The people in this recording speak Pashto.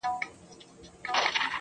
چې خلکو ته د اکسیجن تنفس کولو